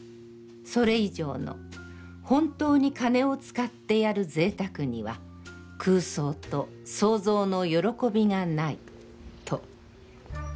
それ以上の、本当に金を使ってやる贅沢には、空想と創造の歓びがない。と。